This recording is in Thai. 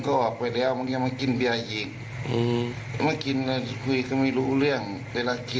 ครับแต่ด่ามันแล้วทำงานพรุ่งนี้พรุ่งนี้